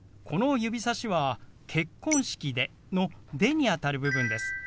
この指さしは「結婚式で」の「で」にあたる部分です。